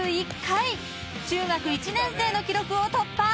［中学１年生の記録を突破！］